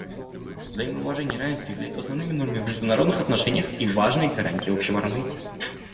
Взаимоуважение и равенство являются основными нормами в международных отношениях и важной гарантией общего развития.